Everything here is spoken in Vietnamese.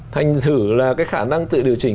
thành thử là cái khả năng tự điều chỉnh